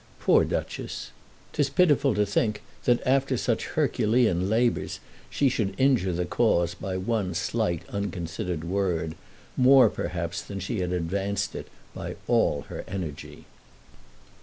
Poor Duchess! 'Tis pitiful to think that after such Herculean labours she should injure the cause by one slight unconsidered word, more, perhaps, than she had advanced it by all her energy.